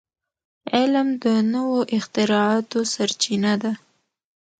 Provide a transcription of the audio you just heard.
علم د نوو اختراعاتو سرچینه ده.